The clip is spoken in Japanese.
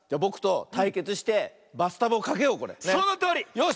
よし！